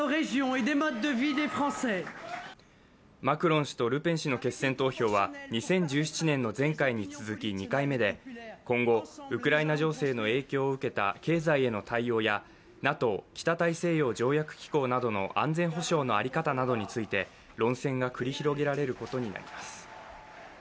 マクロン氏とルペン氏の決選投票は２０１７年の前回に続き２回目で、今後、ウクライナ情勢の影響を受けた経済への対応やＮＡＴＯ＝北大西洋条約機構などの安全保障の在り方などについて論戦が繰り広げられることになります。